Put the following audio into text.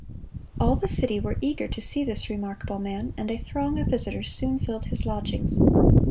All the city were eager to see this remarkable man, and a throng of visitors soon filled his lodgings.